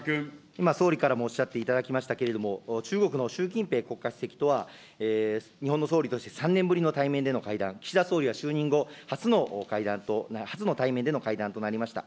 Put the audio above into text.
今、総理からもおっしゃっていただきましたけれども、中国の習近平国家主席とは、日本の総理として３年ぶりの対面での会談、岸田総理は就任後、初の対面での会談となりました。